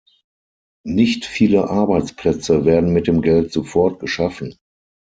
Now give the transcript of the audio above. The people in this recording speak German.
Nicht viele Arbeitsplätze werden mit dem Geld sofort geschaffen.